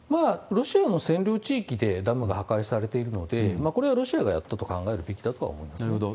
ロシアの占領地域でダムが破壊されているので、これはロシアがやったと考えるべきだとは思いますけれども。